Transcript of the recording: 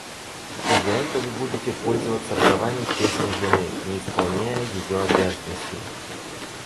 И за это вы будете пользоваться правами честной жены, не исполняя ее обязанностей.